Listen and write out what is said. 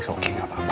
oke gak apa apa